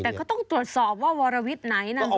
แต่ก็ต้องตรวจสอบว่าวรวิทย์ไหนนะ